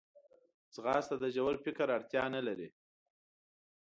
ځغاسته د ژور فکر اړتیا نه لري